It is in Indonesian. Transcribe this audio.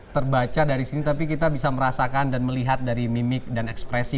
terbaca dari sini tapi kita bisa merasakan dan melihat dari mimik dan ekonomi yang terjadi di sini